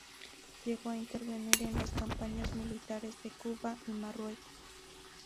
Llegó a intervenir en las campañas militares de Cuba y Marruecos.